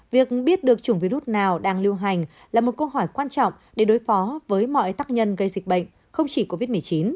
việc biết được chủng virus nào đang lưu hành là một câu hỏi quan trọng để đối phó với mọi tác nhân gây dịch bệnh không chỉ covid một mươi chín